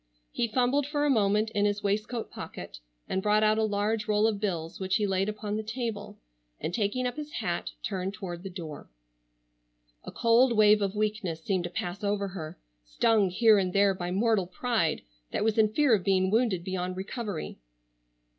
He fumbled for a moment in his waistcoat pocket and brought out a large roll of bills which he laid upon the table, and taking up his hat turned toward the door. A cold wave of weakness seemed to pass over her, stung here and there by mortal pride that was in fear of being wounded beyond recovery.